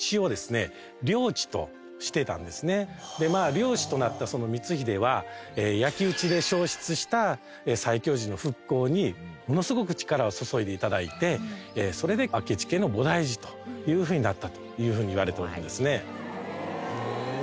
領主となった光秀は焼き討ちで消失した西教寺の復興にものすごく力を注いで頂いてそれで明智家の菩提寺というふうになったというふうにいわれているんですね。